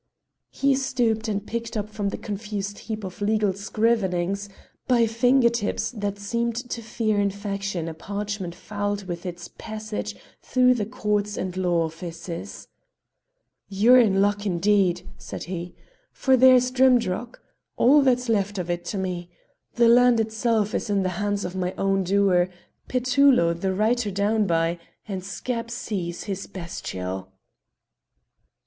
He stooped and picked up from the confused heap of legal scrivenings by finger tips that seemed to fear infection a parchment fouled with its passage through the courts and law offices. "You're in luck indeed," said he; "for there's Drimdarroch all that's left of it to me: the land itself is in the hands of my own doer, Petullo the writer down by, and scab seize his bestial!"